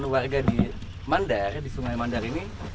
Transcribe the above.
warga di mandar di sungai mandar ini